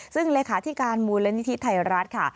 ซึ่งเลขาที่การมูลและนิทิศไทยรัฐค่ะ